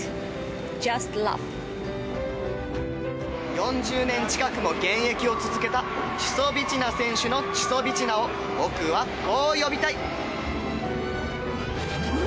４０年近くも現役を続けたチュソビチナ選手のチュソビチナを僕は、こう呼びたい。